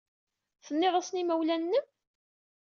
Tennid-asen i yimawlan-nnem?